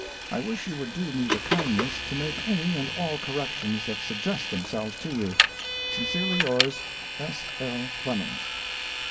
I wish you would do me the kindness to make any and all corrections that suggest themselves to you. "Sincerely yours, "S. L. Clemens."